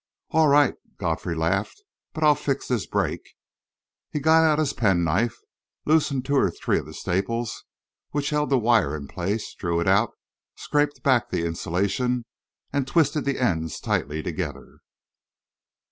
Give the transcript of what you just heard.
"All right," Godfrey laughed. "But I'll fix this break." He got out his pen knife, loosened two or three of the staples which held the wire in place, drew it out, scraped back the insulation, and twisted the ends tightly together.